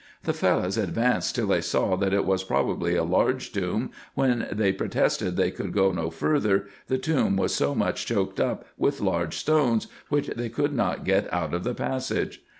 The Fellahs advanced till they saw that it was probably a large tomb, when they protested they covdd go no farther, the tomb was so much choked up with large stones, which they could not get out of the passage.